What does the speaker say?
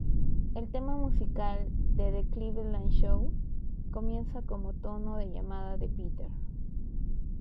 El tema musical de The Cleveland Show comienza como tono de llamada de Peter.